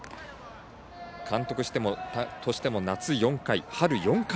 監督としても、夏４回春４回。